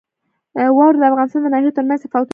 واوره د افغانستان د ناحیو ترمنځ تفاوتونه رامنځته کوي.